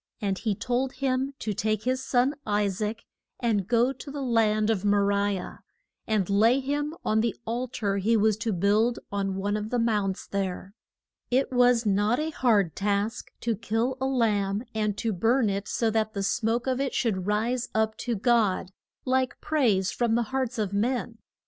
And he told him to take his son, I saac, and go to the land of Mo ri ah, and lay him on the al tar he was to build on one of the mounts there. It was not a hard task to kill a lamb, and to burn it so that the smoke of it should rise up to God, like praise from the hearts of men.